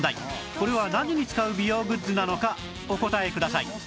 これは何に使う美容グッズなのかお答えください